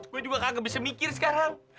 gue juga gak bisa mikir sekarang